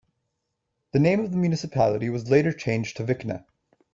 The name of the municipality was later changed to Vikna.